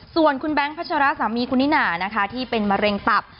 ส่วนคุณแบงค์พัชราสามีคุณนิน่านะคะที่เป็นมะเร็งตับ